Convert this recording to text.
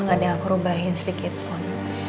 nggak ada yang aku rubahin sedikit pun